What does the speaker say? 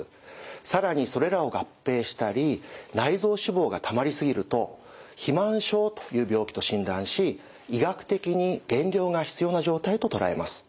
更にそれらを合併したり内臓脂肪がたまり過ぎると肥満症という病気と診断し医学的に減量が必要な状態と捉えます。